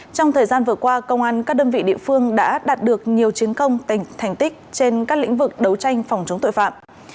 trong thời gian vừa qua công an các đơn vị địa phương đã đạt được nhiều chiến công thành tích trên các lĩnh vực đấu tranh phòng chống tội phạm